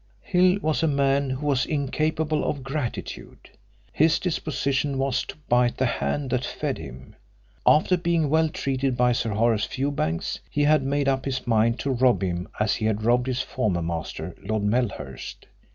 Hill was a man who was incapable of gratitude. His disposition was to bite the hand that fed him. After being well treated by Sir Horace Fewbanks he had made up his mind to rob him as he had robbed his former master Lord Melhurst.